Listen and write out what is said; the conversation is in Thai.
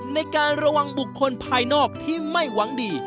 ในการระวังบุคคลภายนอกที่ไม่หวังดี